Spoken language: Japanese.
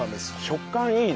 食感いいね。